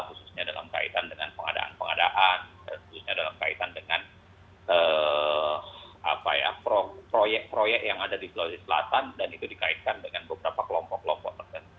khususnya dalam kaitan dengan pengadaan pengadaan khususnya dalam kaitan dengan proyek proyek yang ada di sulawesi selatan dan itu dikaitkan dengan beberapa kelompok kelompok tertentu